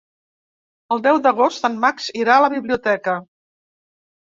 El deu d'agost en Max irà a la biblioteca.